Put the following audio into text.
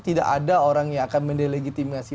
tidak ada orang yang akan mendelegitimasi